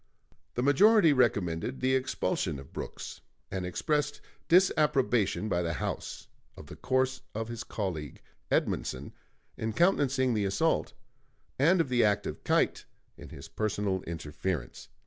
The majority recommended the expulsion of Brooks, and expressed disapprobation by the House of the course of his colleague, Edmundson, in countenancing the assault, and of the act of Keitt in his personal interference.